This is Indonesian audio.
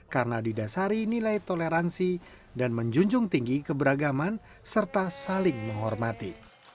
karena didasari nilai toleransi dan menjunjung tinggi keberagaman serta saling menghormati